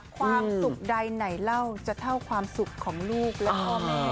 ความสุขใดไหนเล่าจะเท่าความสุขของลูกและพ่อแม่